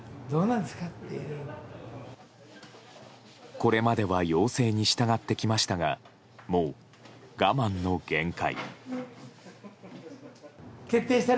これまでは要請に従ってきましたがもう我慢の限界。